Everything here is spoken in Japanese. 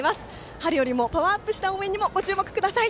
春よりもパワーアップした応援にも注目ください。